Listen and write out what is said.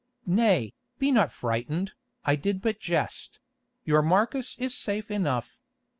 Nay, be not frightened, I did but jest; your Marcus is safe enough.